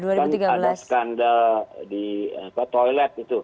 kan ada skandal di toilet itu